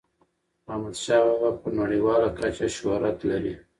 احمد شاه بابا په نړیواله کچه شهرت لري.